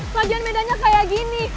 bagian medanya kayak gini